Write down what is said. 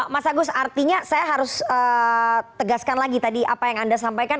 mas agus artinya saya harus tegaskan lagi tadi apa yang anda sampaikan